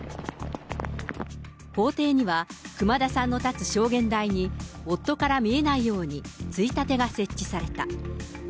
法廷には熊田さんの立つ証言台に夫から見えないようについたてが設置された。